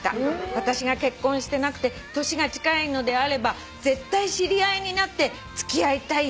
「私が結婚してなくて年が近いのであれば絶対知り合いになって付き合いたい人でした」